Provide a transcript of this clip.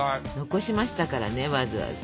残しましたからねわざわざ。